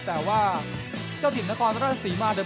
แต่ว่าเจ้าทินละกอนราชศรีมาร์